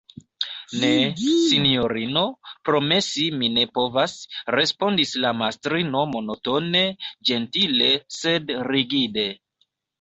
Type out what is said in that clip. Ne, sinjorino, promesi mi ne povas, respondis la mastrino monotone, ĝentile, sed rigide.